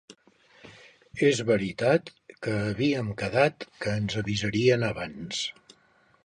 És veritat que havíem quedat que ens avisarien abans